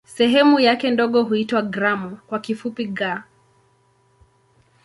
Sehemu yake ndogo huitwa "gramu" kwa kifupi "g".